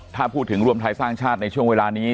ถ้าพูดถึงรวมไทยสร้างชาติในช่วงเวลานี้